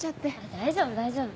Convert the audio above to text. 大丈夫大丈夫。